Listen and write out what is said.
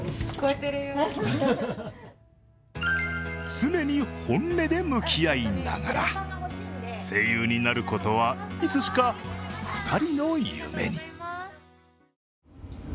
常に本音で向き合いながら声優になることは、いつしか２人の夢に。